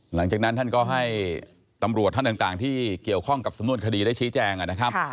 หลังจากนั้นท่านก็ให้ตำรวจท่านต่างที่เกี่ยวข้องกับสำนวนคดีได้ชี้แจงนะครับ